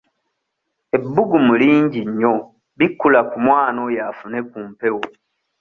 Ebbugumu lingi nnyo bikkula ku mwana oyo afune ku mpewo.